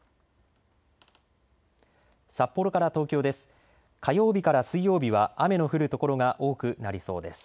札幌から東京です。